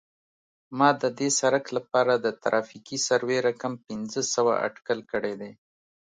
ما د دې سرک لپاره د ترافیکي سروې رقم پنځه سوه اټکل کړی دی